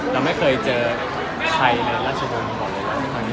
เราไม่เคยกินใครในราชภูมิผ่อนในนี้